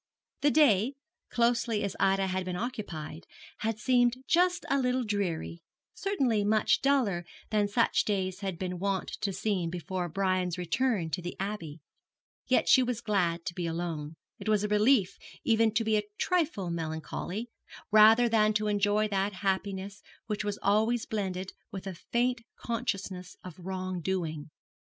The day, closely as Ida had been occupied, had seemed just a little dreary, certainly much duller than such days had been wont to seem before Brian's return to the Abbey: yet she was glad to be alone; it was a relief even to be a trifle melancholy, rather than to enjoy that happiness which was always blended with a faint consciousness of wrong doing.